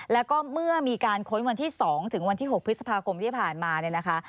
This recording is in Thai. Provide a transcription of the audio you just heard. แล้วก็เมื่อมีการค้นวันที่๒ถึงวันที่๖พฤษภาคมที่ผ่านมาเนี่ยนะคะ